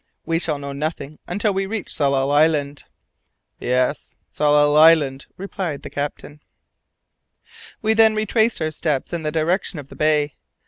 We shall know nothing until we reach Tsalal Island." "Yes, Tsalal Island," replied the captain. We then retraced our steps in the direction of the bay.